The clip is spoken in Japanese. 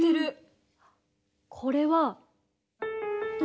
これは。